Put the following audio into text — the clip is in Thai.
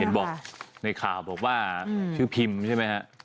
บอกในข่าวบอกว่าชื่อพิมพ์ใช่ไหมฮะ